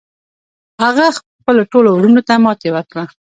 هغه خپلو وروڼو ته ماتې ورکړه.